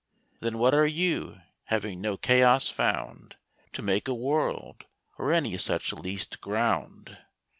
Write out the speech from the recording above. Then what are You, having no Chaos found To make a World, or any such least ground?